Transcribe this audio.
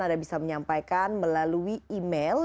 anda bisa menyampaikan melalui email